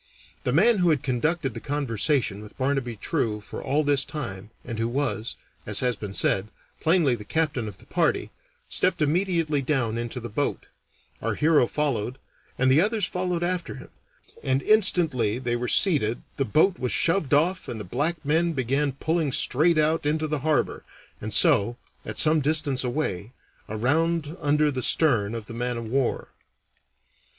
The man who had conducted the conversation with Barnaby True for all this time, and who was, as has been said, plainly the captain of the party, stepped immediately down into the boat; our hero followed, and the others followed after him; and instantly they were seated the boat was shoved off and the black men began pulling straight out into the harbor, and so, at some distance away, around under the stern of the man of war.